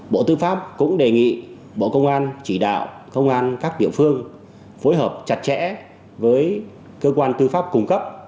bộ tư pháp cũng đề nghị bộ công an chỉ đạo công an các địa phương phối hợp chặt chẽ với cơ quan tư pháp cung cấp